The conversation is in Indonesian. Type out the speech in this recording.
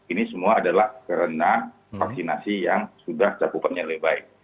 ini semua adalah karena vaksinasi yang sudah cakupannya lebih baik